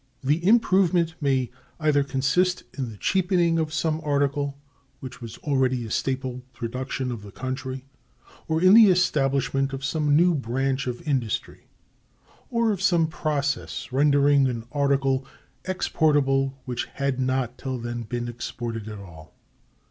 The improvement may either consist in the cheapening of some article which was already a staple production of the country, or in the establishment of some new branch of industry, or of some process rendering an article exportable which had not till then been exported at all.